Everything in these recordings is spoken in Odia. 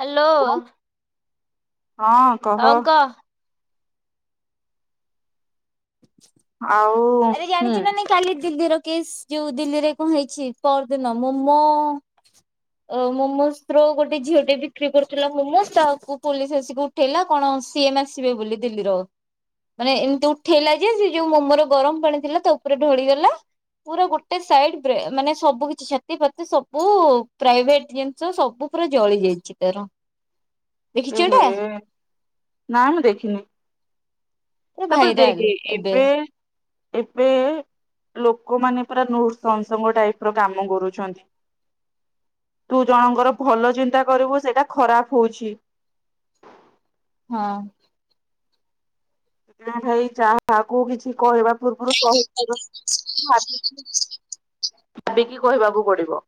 ହ୍ୟାଲୋ। ହଁ। ହଉ କହ। ଆଉ ଆରେ ହୁଁ ଜାଣିଚୁ ନା ନାଇଁ କାଲି ଦିଲ୍ଲୀର କେସ୍ ଯୋଉ ଦିଲ୍ଲୀରେ କଣ ହେଇଚି ପର ଦିନ ମୋମୋ ଅ ମୋମୋଜ ର ଗୋଟେ ଝିଅ ଟେ ବିକ୍ରି କରୁଥିଲା ମୋମୋଜ ତାକୁ ପୋଲିସ ଆସିକି ଉଠେଇଲା କଣ ସିଏମ୍ ଆସିବେ ବୋଲି ଦିଲ୍ଲୀର। ମାନେ ଏମିତି ଉଠେଇଲା ଯେ ସେ ଯୋଉ ମୋମର ଗରମ ପାଣି ଥିଲା ତା ଉପରେ ଢଳିଗଲା। ପୁରା ଗୋଟେ ସାଇଟ ବ୍ରେ ମାନେ ସବୁ କିଛି ଛାତି ଫାତି ସବୁ ପ୍ରାଇଭେଟ ଯେ ତ ସବୁ ପୁରା ଜଳି ଯାଇଛି ତାର। ଉଁ ଦେଖିଛୁ ହୁଁ। ଏଇଟା ନା ମୁଁ ଦେଖିନି। ପୁରା ତାପରେ ଭାଇରାଲ ଦେଖେ ଏବେ ଏବେ ଲୋକମାନେ ପୁରା ନୃସଂସ ଟାଇପ ର କାମ କରୁଛନ୍ତି। ତୁ ଜଣଙ୍କର ଭଲ ଚିନ୍ତା କରିବୁ ସେଇଟା ଖରାପ ହଉଚି। ହଁ। ଭାଇ କାହାକୁ କିଛି କହିବା ପୂର୍ବରୁ। [unintelligible] [unintelligible] ଭାବିକି କହିବାକୁ ପଡିବ।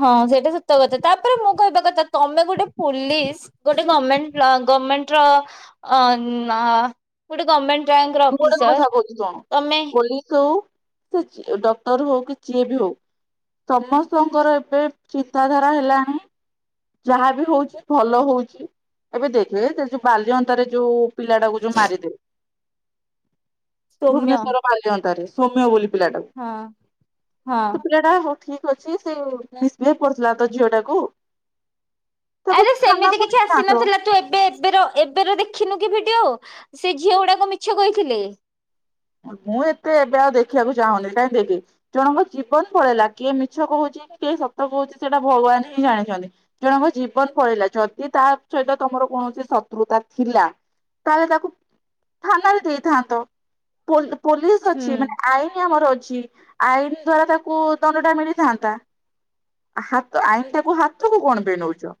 ହଁ ସେଇଟା ସତ କଥା। ତାପରେ ମୁଁ କହିବା କଥା ତମେ ଗୋଟେ ପୋଲିସ ଗୋଟେ ଗମେଣ୍ଟ ଗମେଣ୍ଟ ର ଅ ଗୋଟେ ଗଭମେଣ୍ଟ ଗ୍ୟାଙ୍ଗ ର ମୁଁ ଗୋଟେ କଥା ଅଫିସର କହୁଛି ଶୁଣୁ ତମେ [unintelligible] ସେ ଡକ୍ଟର ହଉ କି ଯିଏ ବି ହଉ ସମସ୍ତଙ୍କର ଏବେ ଚିନ୍ତାଧାରା ହେଲାଣି ଯାହା ବି ହଉଛି ଭଲ ହଉଛି ଏବେ ଦେଖେ ଯୋଉ ବାଲ୍ୟଅନ୍ତାରେ ଯୋଉ ପିଲାଟାକୁ ଯୋଉ ମାରିଲେ ସୌମ୍ୟ ଭୁବନେଶ୍ୱର ବାଲିଅଣ୍ଟାରେ ସୋମ୍ୟ ବୋଲି ପିଲାଟାକୁ ହଁ ହଁ। ଥିଲା ଟା ହଉ ଠିକ ଅଛି ସେ ମିଶ କରୁ ଥିଲା ତ ଝିଅ ଟାକୁ ତାକୁ ଆରେ ସେମିତି ଥାନାକୁ କିଛି ନେଇଥାନ୍ତ। ଆସିନଥିଲା ତୁ ଏବେ ଏବେ ଏବେର ଦେଖିନୁ କି ଭିଡିଓ ସେ ଝିଅ ଗୁଡାକ ମିଛ କହିଥିଲେ ମୁଁ ଏତେ ଏବେ ଆଉ ଦେଖିବାକୁ ଚାହୁଁନି କାହିଁକି ଜଣଙ୍କ ଜୀବନ ପଳେଇଲା କିଏ ମିଛ କହୁଛି କି କିଏ ସତ କହୁଛି ସେଇଟା ଭଗବାନ ହିଁ ଜାଣିଛନ୍ତି। ଜଣଙ୍କ ଜୀବନ ପଳିଇଲା ଯଦି ତା ସହିତ ତମର କୌଣସି ଶତ୍ରୁତା ଥିଲା ତାହେଲେ ତାକୁ ଥାନାରେ ଦେଇଥାନ୍ତ ପୋଲିସ ହୁଁ ଅଛି ମାନେ ଆଇନ ଆମର ଅଛି ଆଇନ ଦ୍ଵାରା ତାକୁ ଦଣ୍ଡ ଟା ମିଳିଥାନ୍ତା ହାତ ଆଇନ ଟାକୁ ହାତକୁ କଣ ବି ନଉଛ?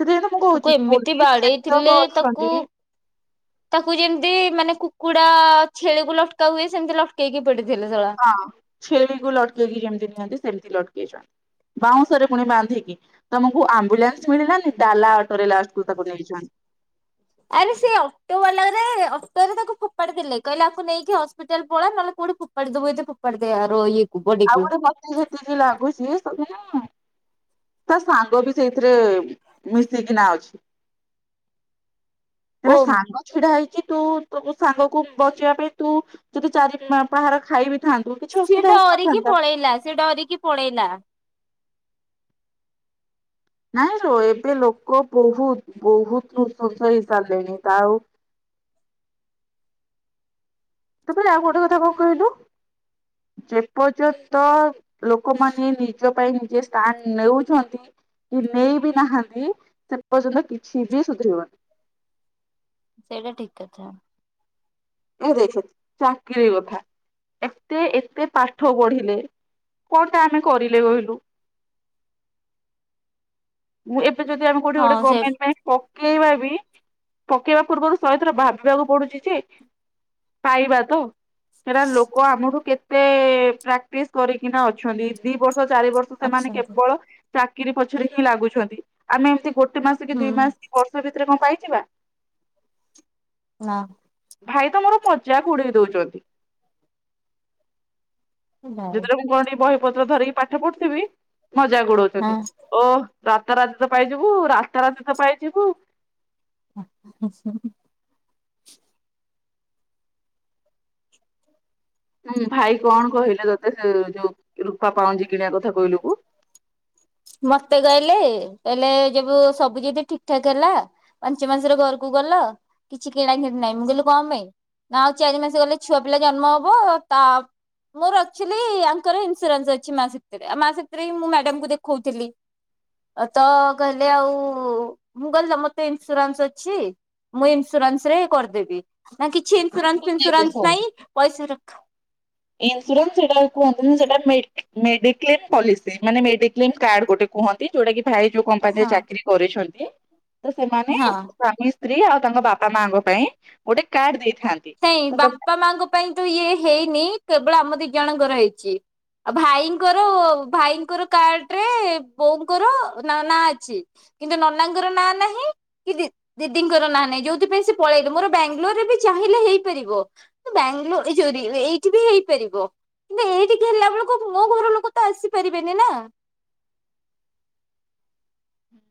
ସେଥି ଯାଇତ ମୁଁ ତାକୁ କହୁଛି ଏମିତି ପୋଲିସ ବାଡେଇଥିଲେ ଶାଷକ ତାକୁ ଅଛନ୍ତି ତାକୁ ଯେମିତି ମାନେ କୁକୁଡା ଛେଳିକୁ ଲଟକା ହୁଏ ସେମିତି ଲଟକେଇକି ପଡିଥିଲେ! ! ! ! ! ! ! ! ! ! ହ ଛେଳିକୁ ଲଟକେଇକି ଯେମିତି ନିଅନ୍ତି ସେମିତି ଲଟକେଇ ଚନ୍ତି ବାଉଁଶରେ ପୁଣି ବାନ୍ଧିକି ତମକୁ ଆମ୍ବୁଲାନ୍ସ ମିଳିଲାନି ଡାଲା ଅଟୋରେ ତାକୁ ନେଇଚନ୍ତି। ଆରେ ସେ ଅଟୋ ବାଲା ଅଟୋରେ ତାକୁ ଫୋପାଡି ଦେଲେ କହିଲେ ତାକୁ ନେଇକି ହସ୍ପିଟାଲ ପଳ ନହେଲେ କୋଉଠି ପଦ ବୋଇ ତ ପ ପଡ଼ ଦେେ ଆରଇଏ ଆଉ ଗୋଟେ ମତି ଯେତିକି ଲାଗୁଛି ତଥି [unintelligible] ତା ସାଙ୍ଗ ବି ସେଇଥିରେ ମିଶିକିନା ଅଛି। ତା ଓମ୍ ସାଙ୍ଗ ଛିଡା ହେଇଛି ତୁ ତୁ ସାଙ୍ଗକୁ ବଚିବା ପାଇଁ ତୁ ଯଦି ଚାରି ପାହାର ଖାଇବି ସି ଡରିକି ପଳେଇଲା ସେ ଡରିକି ପଳେଇଲା। ନାଇଁ ରୋ ଏବେ ଲୋକ ବହୁତ ବହୁତ ସୁସ ହେଇ ସାରିଲେଣି ତା ଆଉ ତପରେ ଆଉ ଗୋଟେ କଥା କଣ କହିଲୁ ଯେପର୍ଯ୍ୟନ୍ତ ଲୋକମାନେ ନିଜ ପାଇଁ ନିଜେ ଥଣ୍ଡ ନେଉଛନ୍ତି। କି ନେଇ ବି ନାହାନ୍ତି ସେ ପର୍ଯ୍ୟନ୍ତ କିଛି ବି ସୁଧରିବନି। ସେଇଟା ଠିକ କଥା। ଏ ଦେଖ ଚାକିର କଥା ଏତେ ଏତେ ପାଠ ପଢିଲେ କଣଟା ଆମେ କରିଲେ କହିଲୁ। ମୁଁ ଏବେ ଯଦ ଆମ କୋଉଠି ଗୋଟେ ହଁ ସେ ଗମେଣ୍ଟ ପାଇଁ ପକେଇବା ବି ପକେଇବା ପୂର୍ବରୁ ଶେଥର ଭାବିବାକୁ ପଡୁଛି ଯେ ପାଇବା ତ। ସେଟା ଲୋକ ଆମଠୁ କେତେ ପ୍ରାକ୍ଟିସ କରିକିନା ଅଛନ୍ତି ଦି ବର୍ଷ ଚାରି ବର୍ଷ। ସେମାନେ ଅଛନ୍ତି କେବଳ ଚାକିରରି ପଛରେ ହିଁ ଲାଗୁଛନ୍ତି ଆମେ ଏମତି ଗୋଟେ ମାସ କି ହୁଁ ଦିଇ ମାସ କି ବ ଭିତରେ କଣ ପାଇଯିବା। ନାଁ। ଭାଇ ତମର ପଚା ଘୋଡେଇ ଦଉଛନ୍ତି। ଭାଇ ଯେତେବେଳେ ମୁଁ କଣ ଟ ବହି ପତ୍ର ଧରିକି ପାଠ ପଢୁଥିବି ମଜାକ ଗୋଉଛନ୍ତି। ଓହ ରାତାତିତା ପାଇଯିବୁ ରାତାରାତି ତ ପାଇଯିବୁ। ହୁଁ ହୁଁ। ହୁଁ ଭାଇ କଣ କହିଲେ ତତେ ସେ ଯୋଉ ରୂପା ପାଉଛି କିଣିବା କଥା କହିଲୁ କୁ ମତେ କହିଲେ କହଲେ ଯବୁ ସବୁ ଯଦି ଠିକ ଠାକ ହେଲା। ପଞ୍ଚ ମାଂସର ଘରକୁ ଗଲ। କିଛି କିଣା କିିଣି ନାହିଁ ମୁଁ କହିଲି କଣ ପାଇଁ ନା ଆଉ ଚାରି ମାସ ଗଲେ ଛୁଆ ପିଲା ଜନ୍ମ ହବ ତା ମୋର ଆକ୍ଚୁଆଲି ଙ୍କର ଇନ୍ସୁରାନ୍ସ ଅଛି [unintelligible] ମା ସେଥିରେଁ ମୁଁ ମ୍ୟାଡାମକୁ ଦେଖଉଥିଲି। ତ କହିଲେ ଆଉ ମୁଁ କହିଲି ତ ମତେ ଇନ୍ସୁରାନ୍ସ ଅଛି। ମୁଁ ଇନ୍ସୁରାନ୍ସ ରେ କରିଦେବି ନା କିଛି ଇନ୍ସୁରାନ୍ସ ଫିନ୍ସୁରାନ୍ସ କୁ? ନାହିଁ ପଇସା ଇନ୍ସୁରାନ୍ସ ସେଟା କୁହନ୍ତିନ ସେଟା ମେଡିକ୍ଲେମ ପଲିସି ମାନେ ମେଡିକ୍ଲେମ କାର୍ଡ ଗୋଟେ କୁହନ୍ତି ଯୋଉଟା କି ଭାଇ ଯୋଉ କମ୍ପାନୀରେ ହଁ ଚାକିରରି କରିଛନ୍ତି ତ ସେମାନେ ହଁ। ସ୍ୱାମୀ ସ୍ତ୍ରୀ ଆଉ ତାଙ୍କ ବାପା ମାଙ୍କ ପାଇଁ ଗୋଟେ କାର୍ଡ ଦେଇଥାନନ୍ତି। ନାଇ ବାପା ମାଙ୍କ ପାଇଁ ତ ଇଏ ହେଇନି କେବଳ ଆମ ଦି ଜଣଙ୍କର ହେଇଛି। ଆ ଭାଇଙ୍କର ଭାଇଙ୍କର କାର୍ଡ ରେ ବୋଉଙ୍କର ନା ନା ଅଛି। କିନ୍ତୁ ନନାଙ୍କର ନାଁ ନାହିଁ। କି ଦିଦିଙ୍କର ନାଁ ନାହିଁ ଯୋଉଥିପାଇଁ ସେ ପଳେଇଲେ ମୋର ବାଙ୍ଗଲୋରରେ ବି ଚା ହେଇପାରିବ ବାଙ୍ଗାଲୋରୋ ଏଇଠି ବି ହେଇପାରିବ। କିନ୍ତୁ ଏଇଠିକି ହେଲା ବେଳକୁ ମୋ ଘର ଲୋକ ତ ଆସିପାରିବେନି ନା? ହୁଁ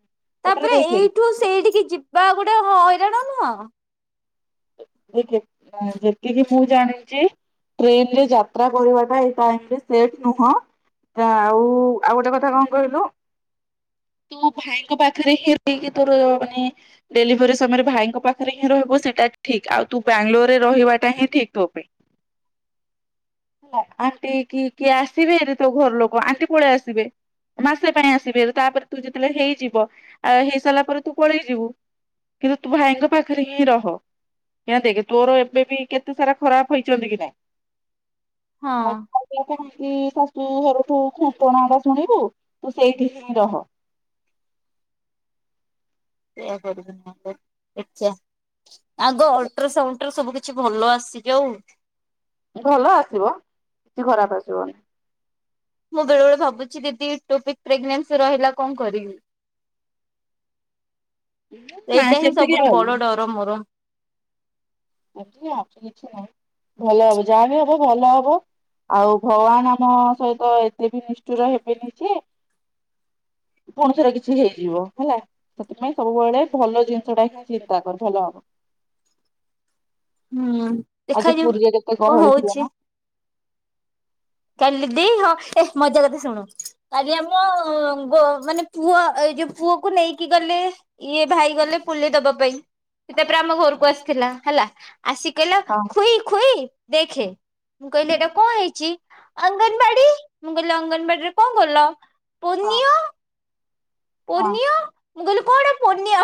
ତାପରେ ଏଇଠୁ ସେଇଠିକି ଯିବା ଗୋଟେ ହଇରାଣ ନୁହଁ? ଯେତିକି ମୁଁ ଜାଣିଛି ଟ୍ରେନ ରେ ଯାତ୍ରା କରିବାଟା ଏଇ ଟାଇ ସେବ ନୁହଁ। ଆଉ ଆଉ ଗୋଟେ କଥା କଣ କହିଲୁ। ତୁ ଭାଇଙ୍କ ପାଖରେ ହେ କି ତୋର ମାନେ ଡେଲିଭରି ସମୟରେ ଭାଇଙ୍କ ପାଖରେ ହିଁ ରହିବ ସେଟା ଠିକ୍ ଆଉ ତୁ ବାଙ୍ଗାଲୋରରେ ରହିବାଟା ହିଁ ଠିକ୍ ପାଇଁ। ଆଣ୍ଟି କି କିଏ ଆସିବେ ହାରି ତୋ ଘର ଲୋକ ଆଣ୍ଟି ପଳେଇ ଆସିବେ ମାସେ ପାଇଁ ଆସିବେ ତାପରେ ତୁ ଯେତେବେଳେ ହେଇଯିବ ଆଉ ହେଇ ସାରିଲା ପରେ ତୁ ପଳେଇ ଯିବୁ। କିନ୍ତୁ ତୁ ଭାଇଙ୍କ ପାଖରେ ହିଁ ରହ। ଏୟା ଦେଖ ତୋର ଏବେ ବି କେତେ ସାରା ଖରାପ ହେଇଛନ୍ତି କି ହଁ ନାଇଁ ଆ କହନ୍ତି ଶାଶୁ ଘରଠୁ ଖୁଣ୍ଟଣା ଟା ଶୁଣିବୁ ତୁ ସେଇଠି ହିଁ ରହ। ସେଆ କରିବୀ ନହେଲେ ଦେଖିଆ ଆଗ ଅଲଟ୍ରାସାଉଣ୍ଡରେ ସବୁ କିଛି ଭଲ ଆସି ଯଉ ଭଲ ଆସିବ କିଛି ଖରାପ ଆସିବନି ମୁଁ ବେଳେ ବଳେ ଭାବୁଛି ଦିଦି ଟୁବି ପ୍ରେଗନେନ୍ସି ରହିଲା କଣ କରିବି? ନାଇଁ ଏଇଟା ହିଁ ସେମିତି କାଇଁ ସବୁଠୁ ଭାବିବୁ ବଡ ଡର ମୋର। ଆଛା କିଛି ନାହିଁ ଭଲ ହବ ଯାହା ବି ହବ ଭଲ ହବ। ଆଉ ଭଗବାନ ଆମ ସହିତ ଏତେ ବି ନିଷ୍ଠୁର ହବନି ଯେ ପୁଣି ଥର କିଛି ହେଇଯିବ ହେଲା ସେଥିପାଇଁ ସବୁବେଳେ ଭଲ ଜିନିଷ ଟା ହିଁ ଚିନ୍ତା କର ଭଲ ହବ। ହୁଁ ଆଜି ଦେଖାଯାଉ ପୁରୀରେ କେତେ କଣ ଗହଳି ଥିବ ହଉଛି? ନା କାଲି ଦେଇ ହଁ ଏ ମଜା କଥା ଶୁଣୁ କାଲି ଆମ ମାନେ ପୁଅ ଏଇ ଯୋଉ ପୁଅକୁ ନେଇକି ଗଲେ ଇଏ ଭାଇ ଗଲେ ପୁଲି ଦବା ପାଇଁ ସେ ତାପରେ ଆମ ଘରକୁ ଆସିଥିଲା ହେଲା ଆସି କହିଲା ହଁ ଖୁଇ ଖୁଇ ଦେଖେ ମୁଁ କହିଲି ଏଇଟା କଣ ହେଇଛି? ଅଙ୍ଗନବାଡି ମୁଁ କହିଲି ଅଙ୍ଗନବାଡିରେ କଣ କଲ? ହଁ ପୁନିଅ ହଁ। ପୁନିଅ ମୁଁ କହିଲି କଣ ପୁନିଅ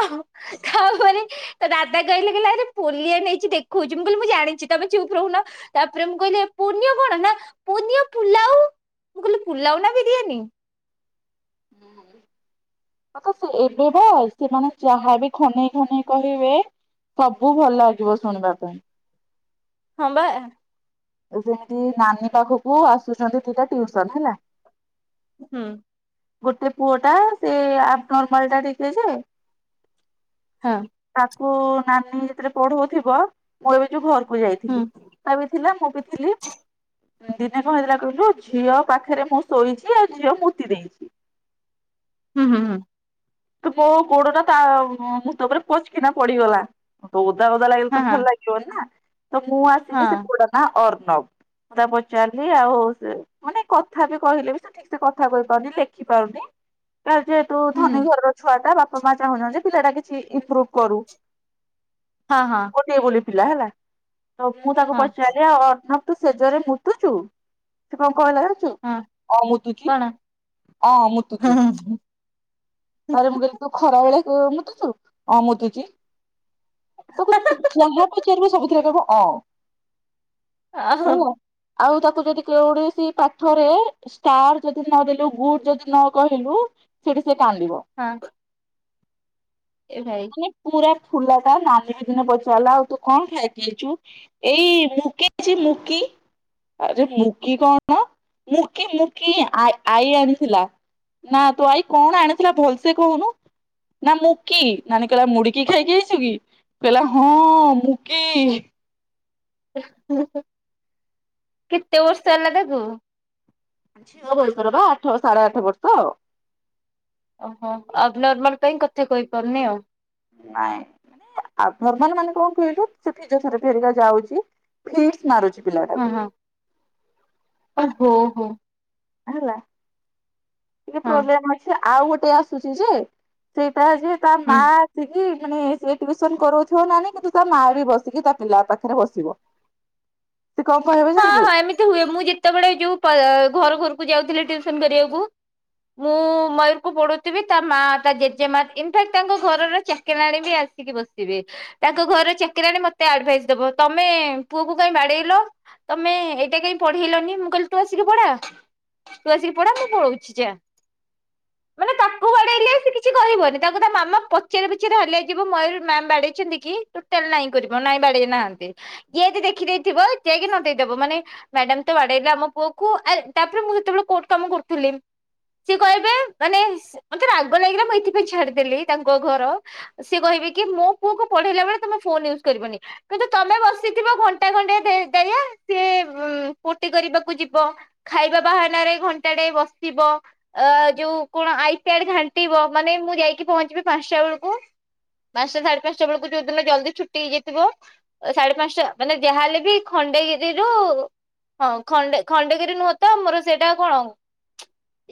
ତାପରେ ତ ଦାଦା କହିଲେ ଆରେ ପୋଲିଆ ନେଇଛି ଦେଖଉଛି ମୁଁ କହିଲି ମୁଁ ଜାଣିଛି ତମେ ଚୁପ ରହୁନ। ତାପରେ ମୁଁ କହିଲି ପୁନ କଣ ନା ପୁନ ପୁଲାଉ ମୁଁ କହିଲି ପୁଲାଉ ନା ବିରିୟାନୀ। [inaudible] ମତେ କହୁଛି ଏବେ ବେ ସେମାନେ ଯାହାବି ଖନେଇ ଖନେଇ କହିବେ। ସବୁ ଭଲ ଲାଗିବ ଶୁଣିବା ପାଇଁ। ହଁ ବା। ଯେମିତି ନାନୀ ପାଖକୁ ଆସୁଛନ୍ତି ଦିଟା ଟିୁସନ ହେଲା। ହୁଁ। ଗୋଟେ ପୁଅ ଟା ସେ ଆବ୍ନରମାଲ ଟା ଟିକେ ଯେ। ହଁ। ତାକୁ ନାନୀ ଯେତେବେଳେ ପଢଉଥିବ ମୁଁ ଏବେ ଯୋଉ ଘରକୁ ହୁଁ ଯାଇଥିଲି। ସେବି ବି ଥିଲା ମୁଁ ବି ଥିଲି। ଦିନେ କଣ ହେଥିଲା କହିଲୁ ଝିଅ ପାଖରେ ମୁଁ ଶୋଇଛି ଆଉ ଝିଅ ମୋତି ଦେଇଛି। ହୁଁ ହୁଁ ହୁଁ। ତ ମୋ ଗୋଡ଼ ଟା ତା ମୁତ ଉପରେ ପଚକିନା ପଡିଗଲା ତ ଓଦା ଓଦା ଲାଗିଲେ ହଁ ତ ହଁ ଭଲ ଲାଗି ଲୋନା ତ ମୁଁ ଆସିକି ସେ ହଁ ପୁଅ ଟା ନାଁ ଅର୍ଣବ। ମୁଁ ତାକୁ ପଚାରିଲି ଆଉ ସେ ମାନେ କଥା ବି କହିଲେ ବି ସେ ଠିକ ସେ କଥା କହି ପାରୁନି ଲେଖିପାରୁନି କ ତୁ ହୁଁ ହୁଁ ଧନୀ ଘରର ଛୁଆ ଟା ବାପା ମା ଚାହୁଁଛନ୍ତି ଯେ ପିଲାଟା କିଛି ଇମ୍ପ୍ରୁଭ କରୁ। ହଁ ହଁ। ଗୋଟି ବୋଲି ପିଲା ହେଲା ତ ମୁଁ ତାକୁ ହଁ ପଚାରିଲି ଆଉ ତୁ ଶ ସେଜରେ ମୁତୁଛୁ ସେ କଣ କହିଲା ଜାଣିଚୁ ହଁ ମୁତୁଚି କଣ ହଁ ମୁତୁଛିି। ତାରେ ମୁଁ କହିଲି ତୁ ଖରା ବେଳେ ମୁତୁଛୁ ହଁ ମୁତୁଛି। ତାକୁ ତୁ ଯାହା ପଚାରିବ ସବୁଥିରେ କହିବ ଅ। ହେଲା ହଁ ଆଉ ତାକୁ ଯଦି କେ କୈଣଷି ପାଠରେ। ଷ୍ଟାର ଯଦି ନଦଲୁ ଗୁଡ୍ ଯଦି ନ କହିଲୁ। ସେଏ କାନ୍ଦିବ। ହଁ। ଏ ଭାଇ [unintelligible] ଫୁଲଟା ନାନୀ ବି ଦିନେ ପଚାରିଲା ଆଉ ତୁ କଣ ଖାଇକିଆଇଛୁ? ଏଇ ମୁକିଛି ମୁକି ଆଉଜୋଉ ମୁକି କଣ ମୁକି ମୁକି ଆଇ ଆଣିଥିଲା। ନାତୋ ଆଇ କଣ ଆଣିଥିଲ ଭୋଲସେ କହୁନୁ? ନା ମୁଁ କିି ନାନୀ କହିଲା ମୁଡିକି ଖାଇକି ଆଇଚୁ କି? କହିଲା ହଁ ମୁଁ କି କେତେ ବର୍ଷ ହେଲା ତାକୁ? [unintelligible] ଆଠ ସାଢ଼େ ଆଠ ବର୍ଷ। ଓହୋ ଆବ୍ ନର୍ମାଲ ପାଇଁ କଥା କହିପାରୁନି ଆଉ। ନାଇଁ। ଆର୍ଥରମାନେ ମାନେ କଣ କହିଲୁ ସେ ଫିଜିଓଥେରାପି ହେରିକା ଯାଉଛି ଫିଡସ୍ ମାରୁଛି ପିଲାକୁ। ହଁ ଓ ହୋଉ ହୋଉ। ହେଲା ଟିକେ ହଁ ପ୍ରୋବ୍ଲେମ୍ ଅଛି ଆଉ ଗୋଟେ ଆସୁଛି ଯେ। ସେଇଟା ଯେ ତା ହୁଁ ମାସିକି ମାନେ ସେ ଟ୍ୟୁସନ କରଉଥିବ ମାନେ କିନ୍ତୁ ତା ମାଆ ବି ବସିକି ତା ପିଲା ପାଖରେ ବସିବ। ସେ କଣ କହିବ ଜଣିଛୁ? ସେମିତି ହୁଏ ମୁଁ ଯେତେବେଳେ ଯୋଉ ଘର ଘରକୁ ଯାଉଥିଲ ଟ୍ୟୁସନ କରିବାକୁ। ମୁଁ ମୟରକୁୁ ପଢୁଥିବି ତା ମା ତା ଜେଜେମା ଇନଫାକ୍ଟ ତାଙ୍କ ଘରର ଚାକେରାଣୀ ବି ଆସି ବସିବେ ତାଙ୍କ ଘରର ଚାକିରାଣି ମତେ ଆଡଭାଇସ ଦବ ତମେ ପୁଅକୁ କାଁଇ ବାଡେଇଲ? ତମେ ଏଇଟା କାଇହିଁ ପଢେଇଲନି ମୁଁ କହିଲି ତୁ ଆସିକି ପଢା। ତୁ ଆସିକି ପଢା ମୁଁ ପଳଉଛି ଜା। ମାନେ ତାକୁ ବାଡେଇଲେ ସେ କିଛି କରିବନି ତାକୁ ତା ମାମା ପଚାରି ପିଚାରି ହଲିଆହେଇଜିଵ ମୟୂର ମ୍ୟାମ୍ ବାଡେଇଛନ୍ତି କି? ଟୋଟାଲ ନାଇଁ କରିବ ନାଇଁ ବାଢେଇ ନାହାନ୍ତି ଇଏ ଦେଖିଦେଇଥିବ ଯାଇକି କହିଦେବ ମାନେ ମ୍ୟାଡାମ ତ ବାଡେଇଲେ ଆମ ପୁଅକୁ ତାପରେ ମୁଁ ଯେତେବେଳେ କୋଟ କାମ କରୁଥିଲି। ସେ ଏ କହିବେ ମାନେ ମତେ ରାଗ ଲାଗିଲା ମୁଁ ଏଇଥିପାଇଁ ଛାଡିଦେଲି ତାଙ୍କ ଘର। ସିଏ କହିବେ କି ମୋ ପୁଅକୁ ପଢେଇଲା ବଳେ ତମେ ଫୋନ ୟୁଜ୍ କରିବନି। କିନ୍ତୁ ତମେ ବସିଥିବ ଘଣ୍ଟା ଘଣ୍ଟେ ଦେୟା ସିଏ ପଟି କରିବାକୁ ଯିବ। ଖାଇବା ବାହାନାରେ ଘଣ୍ଟାଟେ ବସିବ। ଅ ଯୋଉ କଣ ଆଇ ପ୍ୟାଡ ଘାଣ୍ଟିବ ମାନେ ମୁଁ ଯାଇକି ପହଞ୍ଚିବି ପାଞ୍ଚଟା ବେଳକୁ। ପାଞ୍ଚଟା ସାଢେ ପାଞ୍ଚଟ ବେଳକୁ ଯଉଦିନ ଜଲଦି ଛୁଟି ହେଇଜାଇଥିବ। ସାଢେ ପାଞ୍ଚଟା ମାନେ ଯାହାହଲେ ବି ଖଣ୍ଡେ ଗିରିରୁ ହଁ ଖଣ୍ଡ ଖଣ୍ଡଗିରି ନୁହ ତ ମୋର ସେଇଟା କଣ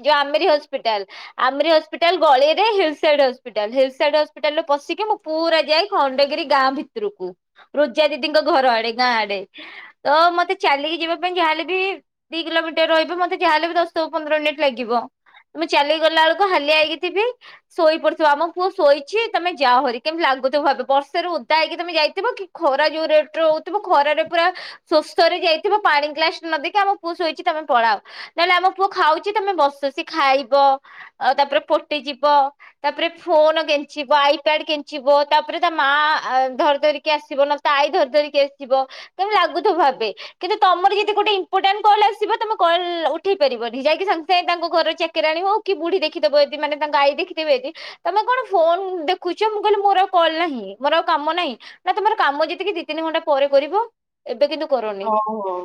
ଯୋଉ ଆମେରି ହସ୍ପିଟାଲ। ଆମ୍ରି ହସ୍ପିଟାଲ ଗଳିରେ hill side hospital hill side ହସ୍ପିଟାଲରୁ ପଶିକି ମୁଁ ପୁରା ଯାଏ ଖଣ୍ଡଗିରି ଗାଁ ଭିତରକୁ ରୋଜା ଦିଦିଙ୍କ ଘର ଆଡେ ଗାଁ ଆଡେ ତ ମତେ ଚାଲିକି ଯିବା ପାଇଁ ଯାହାେଲେ ବି ଦି କିଲୋମିଟର ରହିବ ମତେ ଯାହାହଲେ ବି ଦଶରୁ ପନ୍ଦର ମିନିଟ୍ ଲାଗିବ। ମୁ ଚାଲିକି ଗଲାଏଳକୁ ହାଲିଆ ହେଇକି ଥିବି। ଶୋଇ ପଡଥିବ ଆମ ପୁଅ ଶୋଇଛି ତମେ ଯାଅ ହରି କେମିତି ଲାଗୁଥିବ ଭାବ୍ ବର୍ଷାରେ ଓଦା ହେଇକି ତମେ ଯାଇଥିବ କି ଖରା ଯୋଉ ରେଟରେ ହଉଥିବ ଖରାରେ ପୁରା ଶୋଷରେ ଯାଇଥିବ ପାଣି ଗ୍ଲାସେ ନଦେଇକି ଆମ ପୁଅ ଶୋଇଛି ତମେ ପଳାଅ। ନହେଲେ ଆମ ପୁଅ ଖାଉଛି ତମେ ବସ ସେ ଖାଇବ ଆଉ ତାପରେ ପୋଟିଯିବ ତାପରେ ଫୋନ କେଞ୍ଚିବ ଆଇପ୍ୟାଡ କେଞ୍ଚିବ ତାପରେ ତା ମା ଧରି ଧରିକି ଆସିବ ତା ଆଇ ଧରି ଧରିକି ଆସିବ କେମିତି ଲାଗୁଥିବ ଭାବେ କିନ୍ତୁ ତମର ଯଦି ଗୋଟେ ଇମ୍ପୋଟାଣ୍ଟ କଲ ଆସିବ ତମେ କଲ ଉଠେଇ ପାରିବନି ଯାଇକି ସାଙ୍ଗେ ସାଙ୍ଗେ ତାଙ୍କ ଘର ଚାକରାଣି ହଉ କି ବୁଢୀ ଦେଖିଦବ ଜଦି ମାନେ ତାଙ୍କ ଆଈ ଦେଖିଥବେ ଜଦି ତମେ କଣ ଫୋନ ଦେଖୁଛ ମୁଁ କହିଲି ମୋର ଆଉ କଲ ନାହିଁ ମୋର ଆଉ କାମ ନାହିଁ ନା ତମର କାମ ଯେତିକି ଦି ତିନି ଘଣ୍ଟା ପରେ କରିବ। ଏବେ କିନ୍ତୁ କରନି। ହଉ ହଉ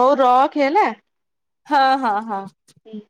ହଉ ରଖେ ହେଲା। ହଁ ହଁ ହଁ। ହୁଁ।